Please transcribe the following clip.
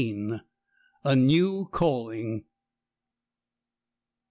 A NEW CALLING.